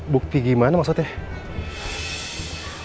bukti gimana maksudnya